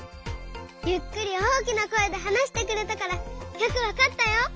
ゆっくり大きなこえではなしてくれたからよくわかったよ。